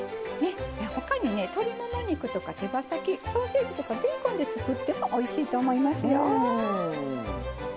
他にね鶏もも肉とか手羽先ソーセージとかベーコンで作ってもおいしいと思いますよ。